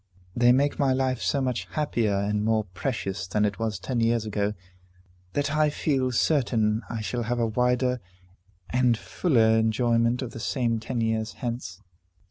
They make my life so much happier and more precious than it was ten years ago, that I feel certain I shall have a wider and fuller enjoyment of the same ten years hence."